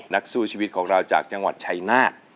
นักสู้ชีวิตของเราจากจังหวัดชัยนาธ